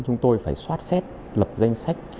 chúng tôi phải soát xét lập danh sách